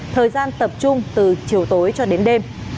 thời gian tập trung từ chiều tối cho đến đêm